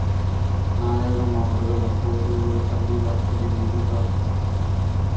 நாயகம் அவர்கள் அப்போது ஒரு பள்ளிவாசலில் இருந்தார்கள்.